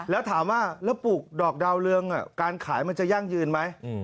แล้วถามว่าแล้วปลูกดอกดาวเรืองการขายมันจะยั่งยืนไหม